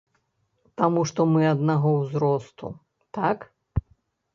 Таму што мы аднаго ўзросту, так.